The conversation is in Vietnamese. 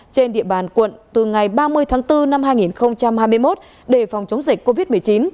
trên địa bàn quận từ ngày ba mươi tháng bốn năm hai nghìn hai mươi một để phòng chống dịch covid một mươi chín